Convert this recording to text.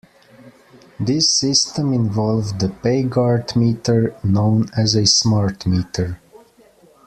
This system involved the Payguard meter, known as a smart meter.